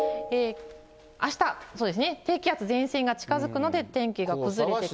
あした、そうですね、低気圧前線が近づくので、天気が崩れてきまして。